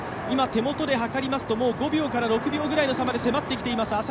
今、手元で測りますと５６秒ぐらいの差に迫ってきています。